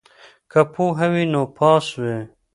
که پوهه وي نو پاس وي.